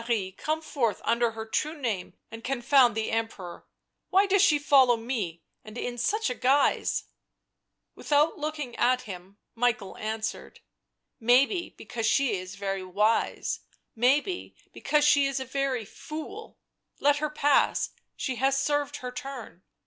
BLACK MAGIC come forth under her true name and confound the Emperor 1 — why does she follow me, and in such a guise V' _• Without looking at him Michael answered : Maybe because she is very wise— maybe because she is a very fool let her pass, she has served her turn.